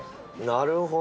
なるほど。